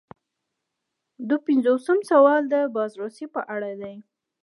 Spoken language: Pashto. دوه پنځوسم سوال د بازرسۍ په اړه دی.